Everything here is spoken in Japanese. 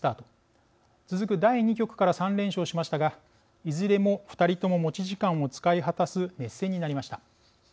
続く第２局から３連勝しましたがいずれも２人とも持ち時間を使い果たす熱戦になりました。